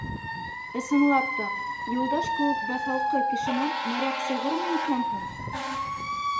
«Ысынлап та, Юлдаш кеүек баҫалҡы кешенән моряк сығырмы икән һуң?..»